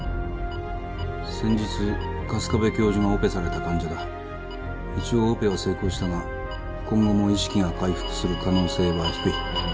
先日春日部教授がオペされた患者だ一応オペは成功したが今後も意識が回復する可能性は低い